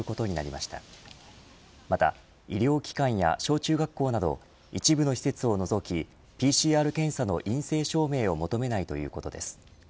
また、医療機関や小中学校など一部の施設を除きＰＣＲ検査の陰性証明を求めないということです。